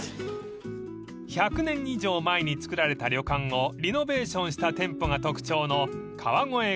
［１００年以上前に造られた旅館をリノベーションした店舗が特徴の］